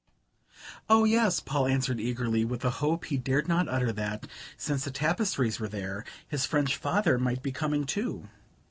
"Oh, yes," Paul answered eagerly, with a hope he dared not utter that, since the tapestries were there, his French father might be coming too.